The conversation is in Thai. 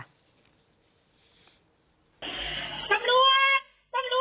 ตำรวจตำรวจ